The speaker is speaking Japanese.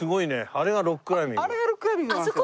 あれがロッククライミングなんですよ。